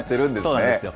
そうなんですよ。